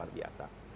itu luar biasa